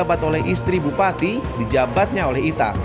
dijabat oleh istri bupati dijabatnya oleh ita